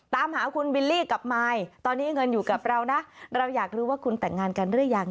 ตามหาคุณบิลลี่กับมายตอนนี้เงินอยู่กับเรานะเราอยากรู้ว่าคุณแต่งงานกันหรือยัง